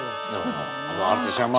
kalau artis yang mau ya